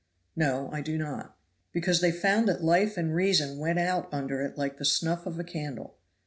"No, I do not." "Because they found that life and reason went out under it like the snuff of a candle.